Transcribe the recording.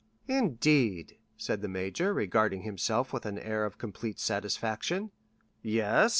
"Indeed," said the major, regarding himself with an air of complete satisfaction. "Yes.